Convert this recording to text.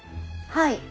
はい。